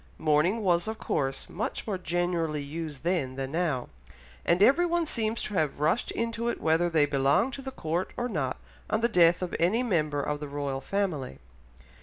Mourning was of course much more generally used then than now, and everyone seems to have rushed into it whether they belonged to the Court or not on the death of any member of the Royal Family.